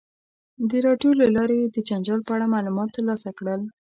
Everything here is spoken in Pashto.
د راډیو له لارې یې د جنجال په اړه معلومات ترلاسه کړل.